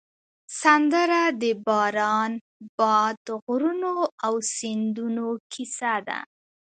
سندره د باران، باد، غرونو او سیندونو کیسه ده